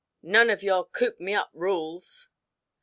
None of your coop me up rules."